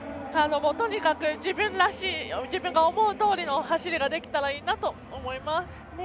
とにかく自分らしい自分が思うとおりの走りができたらいいなと思います。